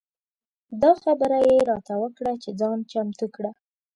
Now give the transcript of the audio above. دا خبره یې راته وکړه چې ځان چمتو کړه.